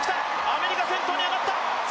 アメリカ、先頭に上がった。